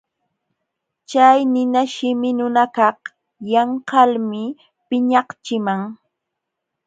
Chay ninashimi nunakaq yanqalmi piñaqchiman.